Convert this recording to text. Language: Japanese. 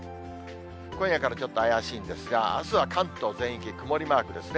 今夜からちょっと怪しいんですが、あすは関東全域、曇りマークですね。